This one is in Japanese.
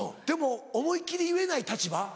でも思いっ切り言えない立場。